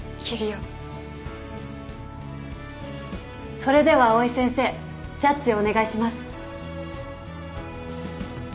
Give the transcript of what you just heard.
それでは藍井先生ジャッジをお願いします。